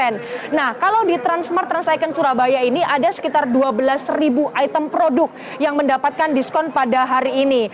nah kalau di transmart trans icon surabaya ini ada sekitar dua belas ribu item produk yang mendapatkan diskon pada hari ini